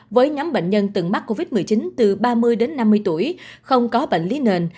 với nhóm bệnh nhân từng mắc covid một mươi chín từ ba mươi đến năm mươi tuổi không có bệnh lý nền